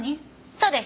そうです。